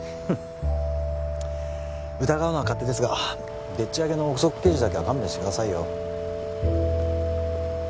疑うのは勝手ですがでっち上げの臆測記事だけは勘弁してくださいよ